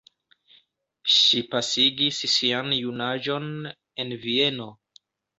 Ŝi pasigis sian junaĝon en Vieno.